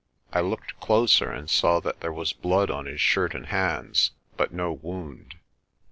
I looked closer and saw that there was blood on his shirt and hands, but no wound.